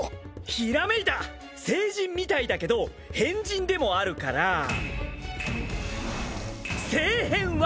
ひらめいた聖人みたいだけど変人でもあるから・聖変は？